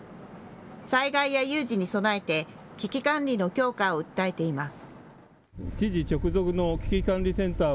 災害や有事に備えて、危機管理の強化を訴えています。